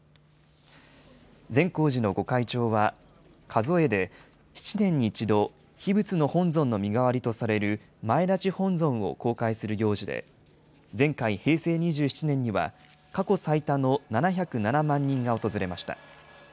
善光寺の御開帳は、数えで７年に１度、秘仏の本尊の身代わりとされる前立本尊を公開する行事で、前回・平成２７年には、過去最多の７０７万人が訪れました。